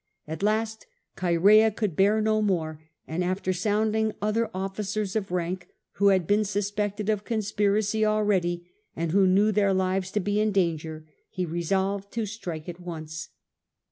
At last Choerea could bear no more, and after sounding other officers of rank, who had been suspected of conspiracy already, and who knew their lives to be in danger, he resolved to strike at once.